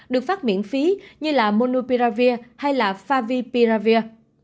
được phát miễn phí như là monopiravir hay là favipiravir